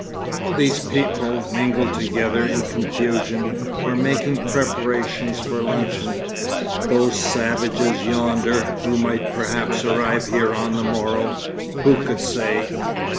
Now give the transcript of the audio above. All these people, mingled together in confusion, were making preparations for luncheon. Those savages yonder (who might perhaps arrive here on the morrow who could say?)